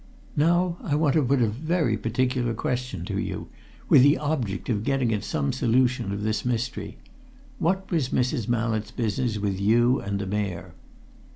"Now I want to put a very particular question to you with the object of getting at some solution of this mystery. What was Mrs. Mallett's business with you and the Mayor?"